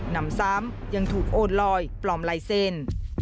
นำซ้ำยังถูกโอนลอยปลอมลายเซ็นต์